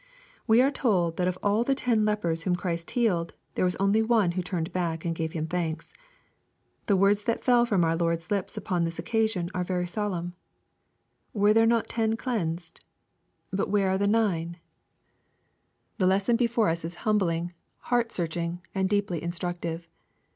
We are told that of all the ten lepers whom Christ healed, there was only one who turned back and gave Him thanks. The words that fell from our Lord's lips upon this occasion are very solemn :'^ Were there not ten cleansed ? But where are the nine ?" 234 EXPOSITORY THOUGHTS. The lesson before us is humbling, heart searching, and deeply instructive.